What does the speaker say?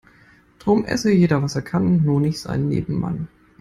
Drum esse jeder was er kann, nur nicht seinen Nebenmann.